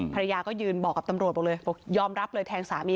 ภรรยาก็ยืนบอกกับตำรวจบอกเลยบอกยอมรับเลยแทงสามี